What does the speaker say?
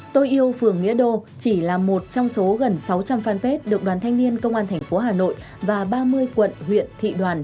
tôi yêu phường nghĩa đô chỉ là một trong số gần sáu trăm linh fanpage được đoàn thanh niên công an thành phố hà nội và ba mươi quận huyện thị đoàn